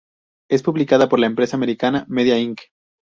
Es publicada por la empresa American Media Inc.